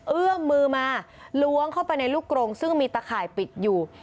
เอื้อมมือมาล้วงเข้าไปในลูกกรงซึ่งมีตะข่ายปิดอยู่